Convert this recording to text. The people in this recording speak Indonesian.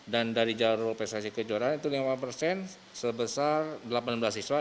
dan dari jalur prestasi kejuaraan itu lima puluh lima persen sebesar delapan belas siswa